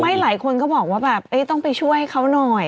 หลายคนก็บอกว่าแบบต้องไปช่วยเขาหน่อย